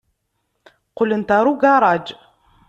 Qqlent ɣer ugaṛaj.